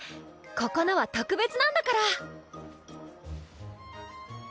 ここのは特別なんだから。